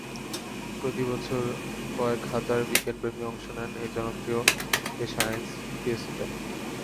প্রতিবছর কয়েক হাজার বিজ্ঞানপ্রেমী অংশ নেয় জনপ্রিয় এ সায়েন্স ফিয়েস্টায়।